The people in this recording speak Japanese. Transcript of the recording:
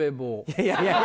いやいやいや。